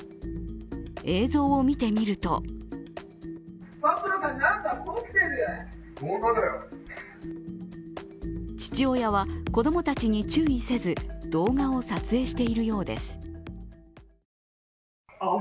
映像を見てみると父親は子供たちに注意せず、動画を撮影しているようです。